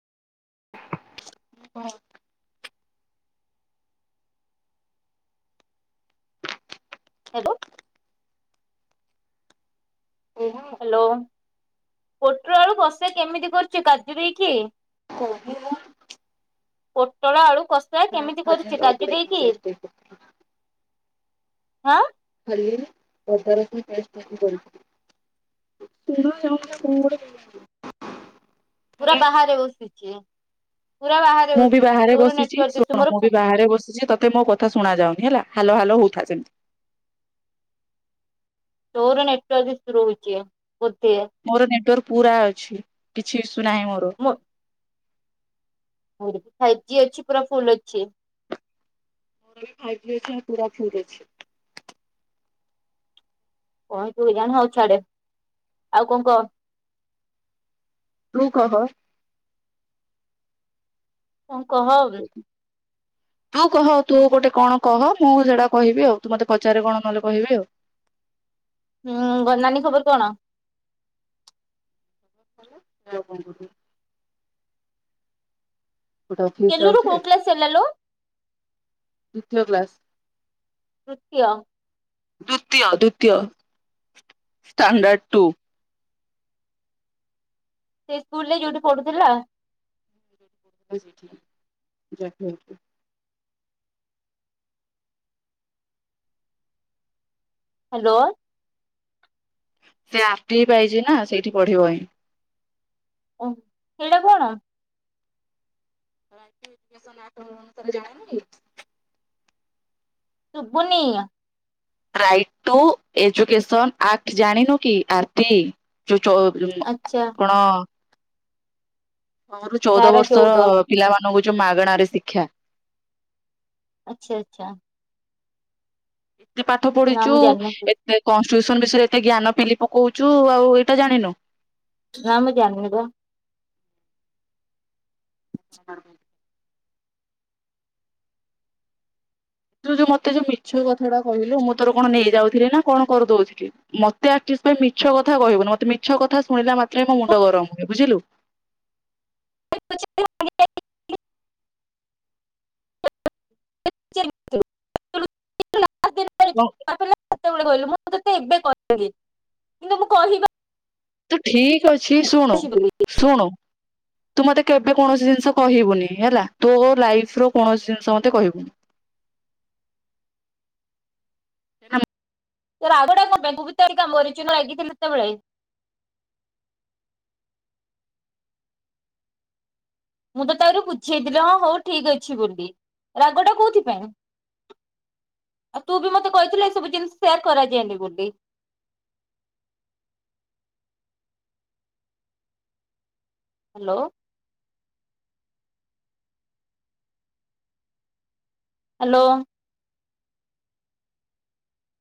[unintelligible] ହେବ। ହ୍ୟାଲୋ ପୋଟର ଆଳୁ ବସା କେମିତି କରୁଛି କାଜୁ ଦେଇକି? [unintelligible] ପୋଟଳ ଆଳୁ କଷା କେମିତି କରୁଛି କାଜୁ ଦେଇକି ହାଁ [unintelligible] [unintelligible] ପୁରା ବାହାରେ ବସିଛି। ପୁରା ବାହାରେ ମୁଁ ବି ବସିଛି ବାହାରେ ତୋର ବସିଛି ନେଟୱାର୍କ ଇସୁ ଶୁଣ ମୋର ମୁଁ ବି ବାହାରେ ବସିଛି ତତେ ମୋ କଥା ଶୁଣା ଯାଉନି ହେଲା। ହାଲୋ ହାଲ ହଉଥା ଯେମତି। ତୋର ନେଟୱର୍କ ଇଶୁ ରହୁଛି। ବୋଧେ ମୋର ନେଟୱାର୍କ ପୁରା ଅଛି କିଛି ଇସ୍ୟୁ ନାହିଁ ମୋର। ମୋ ଫାଇଭ୍ ଜି ଅଛି ପୁରା ଫୁଲ ଅଛି ଫାଇଭଜି ଅଛି ଆଉ ପୁରା ଫୁଲ ଫୁଛି। କଣ ତୁ ଜାଣ ହଉ ଛାଡେ ଆଉ କଣ କହ। ତୁ କହ। କଣ କହ ଏବେ। ତୁ କହ ତୁ ଗୋଟେ କଣ କହ ମୁଁ ସେଇଟା କହିବି ଆଉ ତୁ ମତେ ପଚାରେ କଣ ନହେଲେ କହିବି ଆଉ। ହୁଁ ବଡନାନି ଖବର କଣ? ଆଉ କଣ କହୁଛୁ? ଗୋଟେ ଫିସ୍ କେଲୁରୁ କୋଉ ଯାଉଛି। କ୍ଲାସ ହେଲା ଲୋ ଦିତୀୟ କ୍ଲାସ। ତୃତୀୟ। ଦ୍ଵିତୀୟ ଦ୍ଵିତୀୟ ଷ୍ଟାଣ୍ଡାର୍ଡ ଟୁ। ସେ ସ୍କୁଲ ରେ ଯୋଉଠି ପଢୁଥିଲା। [unintelligible] ଜାଭିୟର। ହ୍ୟାଲୋ। ସେ ଆରଟି ପାଇଛି ନା ସେଇଠି ପଢିବ ହିଁ। ଓହୋ ସେଇଟା କଣ? [unintelligible] ଶୁଭୁନି। ରାଇଟ ଟୁ ଏଜୁକସନ ଆକ୍ଟ ଜାଣିନୁ କି ଆ- ଆଚ୍ଛା। [unintelligible] କଣ? ଛଅରୁ ଚଉଦ ବର୍ଷର ପିଲାମାନଙ୍କୁ ଯୋଉ ମାଗଣାରେ ଶିକ୍ଷା। ଆଛା ଆଛା। ଏତେ ପାଠ ନା ପଢିଛୁ ମୁଁ ଜାଣିନଥିଲି ଏତେ କ ଟ୍ୟୁସନ ବିଷୟରେ ଏତେ ଜ୍ଞାନ ପିଲି ପକଉଛୁ ଆଉ ଏଇଟା ଜାଣିନୁ? ନାମ ମୁ ଜାଣିନିବା। ହଁ। ତୁ ଯୋଉ ମତେ ଯୋଉ ମିଛ କଥାଟା କହିଲୁ ମୁଁ ତୋର କଣ ନେଇଯାଉଥିଲି ନା କଣ କରିଦଉଥିଲି ମତେ ଆ ମିଛକଥା କହିବୁନି ମତେ ମିଛକଥା ଶୁଣିଲା ମାତ୍ର ମୋ ମୁଣ୍ଡ ଗରମ ହୁଏ ବୁଝିଲୁ। [unintelligible] [unintelligible] [unintelligible] କଣ ତେବେଳେ କହିଲୁ ମୁଁ ତତେ ଏବେ କହିବି କିନ୍ତୁ ମୁଁ କହିବା ତୁ ଠିକ ଅଛି ଶୁଣୁ ଅଛି ବୋଲି। ଶୁଣୁ ତୁ ମତେ କେବେ କୌଣସି ଜିନିଷ କହିବୁନି ହେଲା ତୋ ଲାଇଫ ର କୌଣସି ଜିନିଷ ମତେ କହିବୁନି। [inaudible] ଆମ [unintelligible] ମୁଁ ତ ତାହରୁ ବୁଝେଇଥିଲି ହଁ ହଉ ଠିକ ଅଛି ବୋଲି ରାଗଟା କୋଉଥିପାଇଁ? ଆଉ ତୁ ବି ମତେ କହିଥିଲ ଏ ସବୁ ଜିନିଷ ସେୟାର କରାଯାଏନି ବୋଲି। [inaudible] ହ୍ୟାଲୋ। ହ୍ୟାଲୋ।